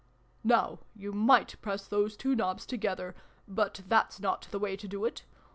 " Now you might press those two knobs to gether but that's not the way to do it.